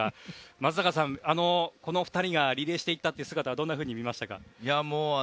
松坂さん、この２人がリレーしていった姿はどんなふうに見ましたか？